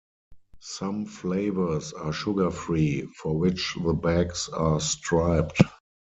Some flavours are sugar-free, for which the bags are striped.